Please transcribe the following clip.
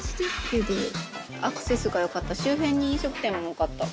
「アクセスが良かった周辺に飲食店も多かった」。